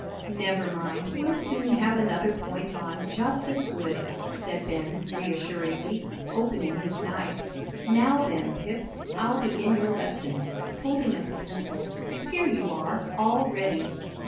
"Never mind, we'll soon have another point on, just as good," said Ben, reassuringly, opening his knife. "Now then, Pip, I'll begin your lesson," holding up the pencil; "here you are, all ready."